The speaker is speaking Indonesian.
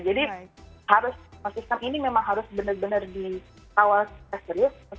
jadi harus sistem ini memang harus benar benar di tawar tersebut